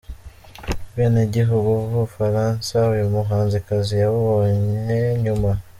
Ubwenegihugu bwUbufaransa uyu muhanzikazi yabubonye nyuma.